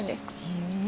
へえ。